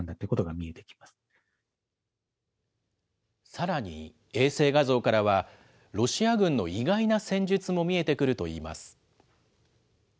さらに、衛星画像からは、ロシア軍の意外な戦術も見えてくるといいます。